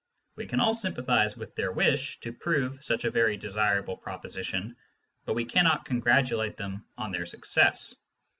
We can all sympathise with their wish to prove such a very desirable proposition, but we cannot con gratulate them on their success.